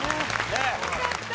よかった。